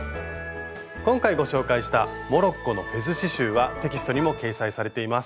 今回ご紹介したモロッコのフェズ刺しゅうはテキストにも掲載されています。